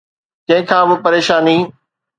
ڪنهن کان به پريشاني